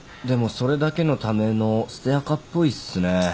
でもそれだけのための捨てアカっぽいっすね。